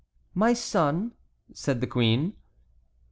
"My son?" said the queen.